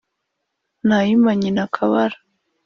ntayima nyina akabara